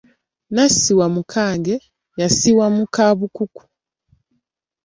N'asiwa mu kange, y'asiwa mu ka bukuku.